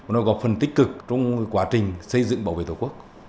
nó góp phần tích cực trong quá trình xây dựng bảo vệ tổ quốc